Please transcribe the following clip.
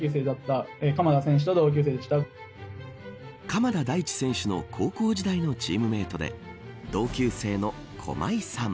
鎌田大地選手の高校時代のチームメートで同級生の駒井さん。